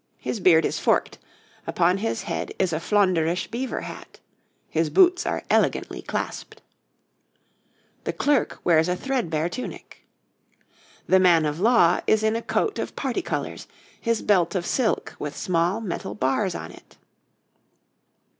His beard is forked; upon his head is a Flaunderish beaver hat. His boots are elegantly clasped. THE CLERK wears a threadbare tunic. [Illustration: {The man of law}] THE MAN OF LAW is in a coat of parti colours, his belt of silk with small metal bars on it.